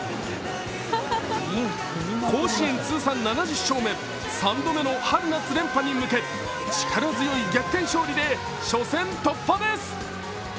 甲子園通算７０勝目三度目の春夏連覇に向け力強い逆転勝利で初戦突破です。